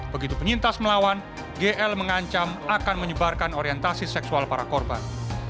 begitu penyintas melawan gl mengancam akan menyebarkan orientasi seksual para korban